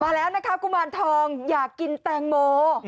แล้วนะคะกุมารทองอยากกินแตงโม